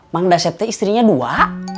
mandasep teh istrinya dua